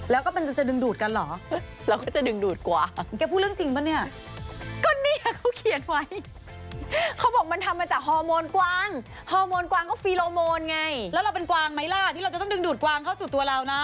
แล้วเราจะดึงดูดกวางเขาสู่ตัวเรานะ